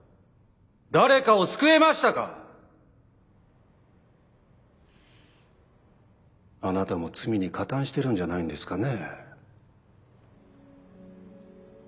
誰かを救えましたか⁉あなたも罪に加担してるんじゃないんですかね？